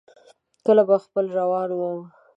کله به خپله روان ووم.